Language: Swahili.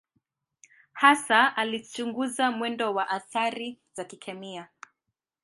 Hasa alichunguza mwendo wa athari za kikemia.